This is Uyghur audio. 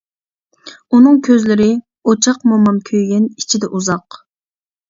ئۇنىڭ كۆزلىرى ئوچاق مومام كۆيگەن ئىچىدە ئۇزاق.